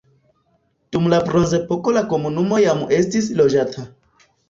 Dum la bronzepoko la komunumo jam estis loĝata.